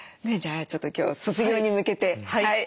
じゃあちょっと今日卒業に向けて。